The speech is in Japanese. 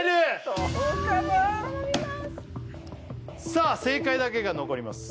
さあ正解だけが残ります